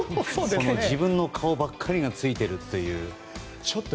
自分の顔ばかりがついているという。